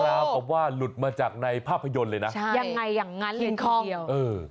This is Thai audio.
กับว่าหลุดมาจากในภาพยนตร์เลยนะใช่ยังไงอย่างนั้นเลยข้อเดียวเออ